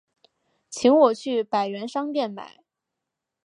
请我去百元商店买